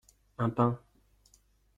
Un pain.